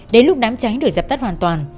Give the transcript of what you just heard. đến lúc đám cháy được dập tắt hoàn toàn